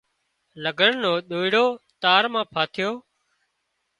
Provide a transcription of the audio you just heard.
لگھڙ نو ۮوئيڙو تار مان ڦاسيو